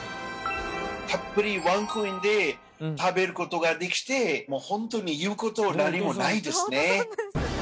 たっぷりワンコインで食べる事ができてもうホントに言う事何もないですね。